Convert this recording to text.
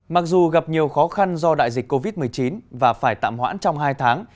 mặc dù gặp nhiều khó khăn do đại dịch covid một mươi chín và phải tạm hoãn trong hai tháng